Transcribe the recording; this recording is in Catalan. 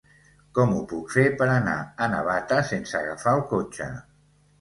Com ho puc fer per anar a Navata sense agafar el cotxe?